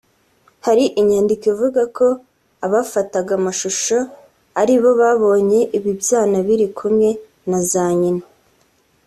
hari inyandiko ivuga ko abafataga amashusho aribo babonye ibi byana biri kumwe na za nyina